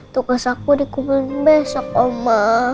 tugas aku di kuburan besok oma